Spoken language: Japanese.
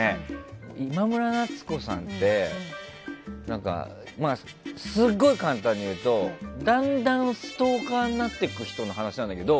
今村夏子さんってすごい簡単にいうとだんだん、ストーカーになっていく人の話なんだけど。